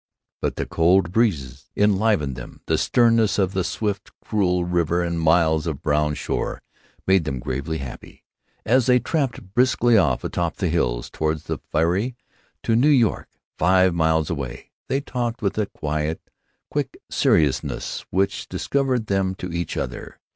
But the cold breeze enlivened them, the sternness of the swift, cruel river and miles of brown shore made them gravely happy. As they tramped briskly off, atop the cliffs, toward the ferry to New York, five miles away, they talked with a quiet, quick seriousness which discovered them to each other.